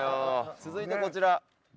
続いてこちら。